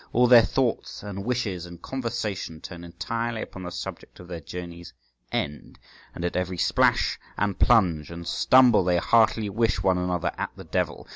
All their thoughts, and wishes, and conversation turn entirely upon the subject of their journey's end, and at every splash, and plunge, and stumble they heartily wish one another at the devil.